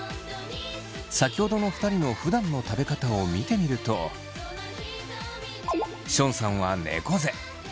先ほどの２人のふだんの食べ方を見てみるとションさんは猫背。